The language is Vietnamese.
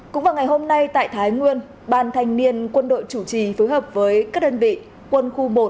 cũng vào ngày hôm nay tại thái nguyên ban thanh niên quân đội chủ trì phối hợp với các đơn vị quân khu một